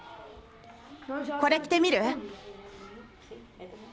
これ着てみる？